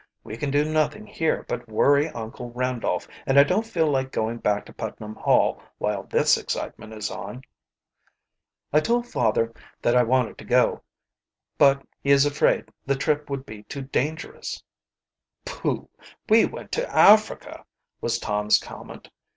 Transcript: "We can do nothing here but worry Uncle Randolph, and I don't feel like going back to Putnam Hall while this excitement is on." "I told father that I wanted to go, lout he is afraid the trip would be too dangerous." "Pooh! we went to Africa," was Tom's comment.